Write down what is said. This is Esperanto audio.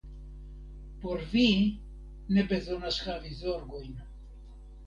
Por vi ne bezonas havi zorgojn.